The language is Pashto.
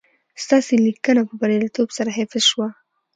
ستاسي لېنکه په برياليتوب سره حفظ شوه